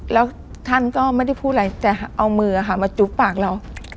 แล้วท่านก็ไม่ได้พูดอะไรแต่เอามือมาจุ๊บปากเรา